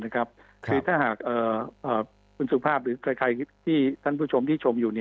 คือถ้าหากคุณสุภาพหรือใครที่ท่านผู้ชมที่ชมอยู่